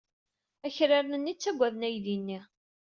Akraren-nni ttaggaden aydi-nni.